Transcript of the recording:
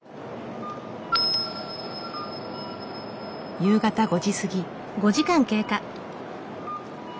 夕方５時過ぎ。